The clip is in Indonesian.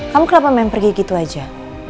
kamu kenapa main pergi gitu aja